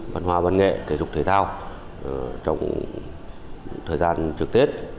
văn hóa văn nghệ thể dục thể thao trong thời gian trước tết